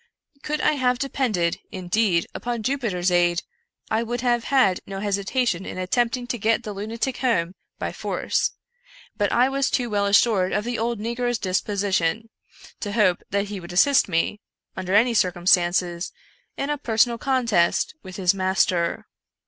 Could I have depended, indeed, upon Jupiter's aid, I would have had no hesitation in attempting to get the lunatic home by force; but I was too well assured of the old negro's dispo sition, to hope that he would assist me, under any circum stances, in a personal contest with his master.